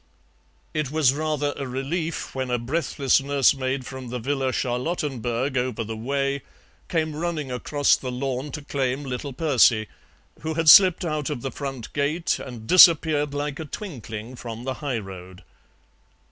It was rather a relief when a breathless nursemaid from the Villa Charlottenburg over the way came running across the lawn to claim little Percy, who had slipped out of the front gate and disappeared like a twinkling from the high road.